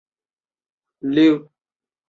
桃卷叶蚜为常蚜科瘤蚜属下的一个种。